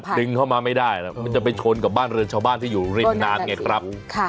ถ้าดึงเข้ามาไม่ได้มันจะไปชนกับบ้านเรือชาวบ้านที่อยู่ริ่นนานเนี่ยครับ